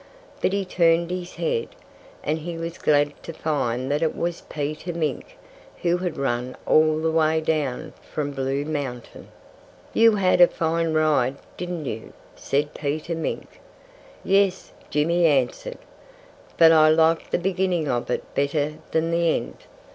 But he turned his head. And he was glad to find that it was Peter Mink, who had run all the way down from Blue Mountain. "You had a fine ride, didn't you?" said Peter Mink. "Yes," Jimmy answered. "But I liked the beginning of it better than the end."